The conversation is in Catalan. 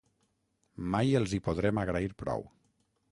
Mai els hi podrem agrair prou.